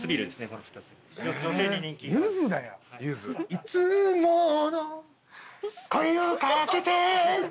「いつもの」